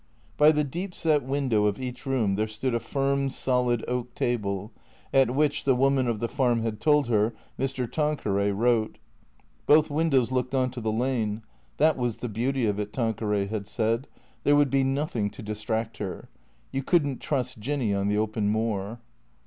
By the deep set window of each room there stood a firm, solid oak table, at which, the woman of the farm had told her, Mr. Tanqueray wrote. Both windows looked on to the lane. That was the beauty of it, Tanqueray had said. There would be nothing to distract her. You could n't trust Jinny on the open moor.